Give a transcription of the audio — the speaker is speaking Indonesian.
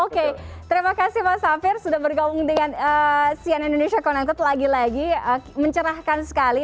oke terima kasih mas safir sudah bergabung dengan cn indonesia connected lagi lagi mencerahkan sekali